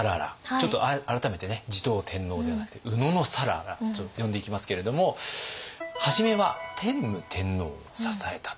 ちょっと改めてね持統天皇ではなくて野讃良と呼んでいきますけれども初めは天武天皇を支えたと。